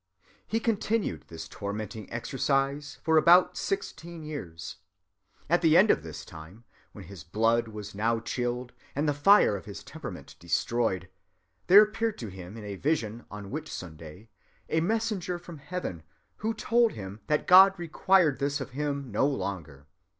"He continued this tormenting exercise for about sixteen years. At the end of this time, when his blood was now chilled, and the fire of his temperament destroyed, there appeared to him in a vision on Whitsunday, a messenger from heaven, who told him that God required this of him no longer.